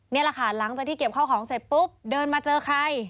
นี่แหละค่ะหลังจากที่เก็บข้าวของเสร็จปุ๊บเดินมาเจอใคร